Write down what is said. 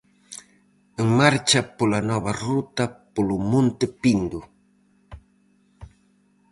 En marcha pola nova ruta polo Monte Pindo.